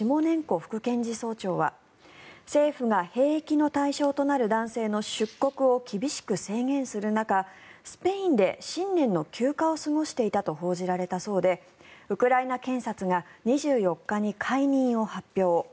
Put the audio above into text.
副検事総長は政府が兵役の対象となる男性の出国を厳しく制限する中スペインで新年の休暇を過ごしていたと報じられたそうでウクライナ検察が２４日に解任を発表。